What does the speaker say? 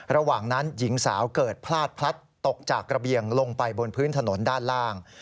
ระหว่างนั้นหญิงสาวเกิดพลาดพลัดตกจากระเบียงลงไปบนพื้นถนนด้านล่าง